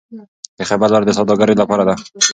د خیبر لاره د سوداګرۍ لپاره ده.